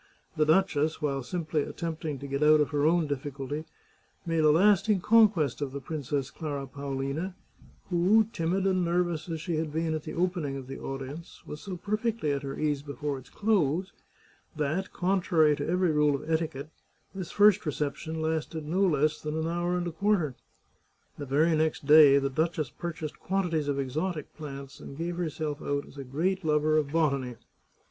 The duchess, while simply attempting to get out of her own difficulty, made a lasting conquest of the Princess Clara Paolina, who, timid and nervous as she had been at the opening of the audience, was so perfectly at her ease before its close that, contrary to every rule of etiquette, this first reception lasted no less than an hour and a quarter. The very next day the duchess purchased quan tities of exotic plants, and gave herself out as a great lover of botany.